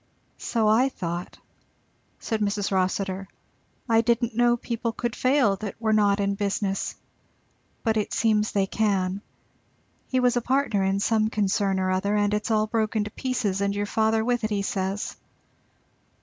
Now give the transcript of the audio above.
"So I thought," said Mrs. Rossitur; "I didn't know people could fail that were not in business; but it seems they can. He was a partner in some concern or other, and it's all broken to pieces, and your father with it, he says."